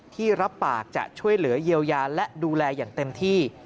ที่รับปากจะช่วยเหลือเยียวยาและดูแลอย่างเต็มที่